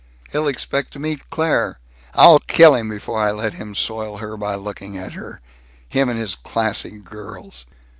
He'll expect to meet Claire I'd kill him before I'd let him soil her by looking at her. Him and his classy girls!"